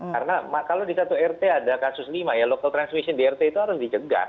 karena kalau di satu rt ada kasus lima ya local transmission di rt itu harus dicegah